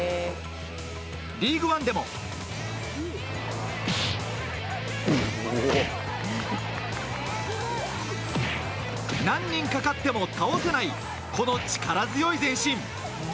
リーグワンでも何人かかっても倒せないこの力強い前進。